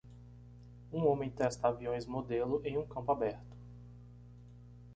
Um homem testa aviões modelo em um campo aberto.